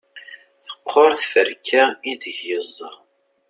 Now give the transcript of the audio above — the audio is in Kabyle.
teqqur tferka ideg yeẓẓa